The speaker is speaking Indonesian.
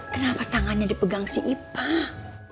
kenapa tangannya dipegang si ipah